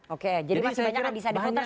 oke jadi masih banyak yang bisa diputar